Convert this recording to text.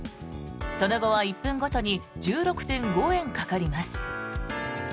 その後は１分ごとに１６．５円かかります。